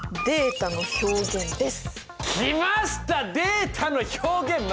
データの表現！